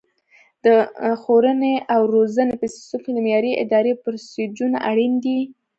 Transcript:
د ښوونې او روزنې په سیستم کې د معیاري ادرایې پروسیجرونه اړین دي.